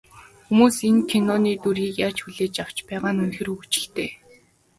Хүмүүс энэ киноны дүрийг яаж хүлээж авч байгаа нь үнэхээр хөгжилтэй.